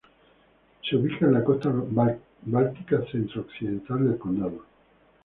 Se ubica en la costa báltica centro-occidental del condado.